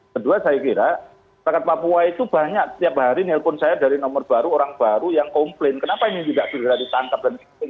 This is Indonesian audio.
kedua saya kira rakyat papua itu banyak setiap hari nelpon saya dari nomor baru orang baru yang komplain kenapa ini tidak segera ditangkap dan